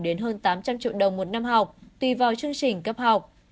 đến hơn tám trăm linh triệu đồng một năm học tùy vào chương trình cấp học